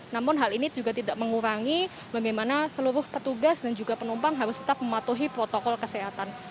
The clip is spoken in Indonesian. namun hal ini juga tidak mengurangi bagaimana seluruh petugas dan juga penumpang harus tetap mematuhi protokol kesehatan